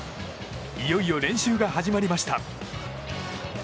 いよいよ練習が始まりました。